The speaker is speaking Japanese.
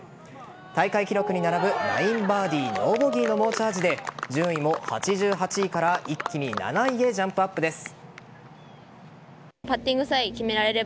大会記録に並ぶ９バーディーノーボギーの猛チャージで順位も、８８位から一気に７位へジャンプアップです。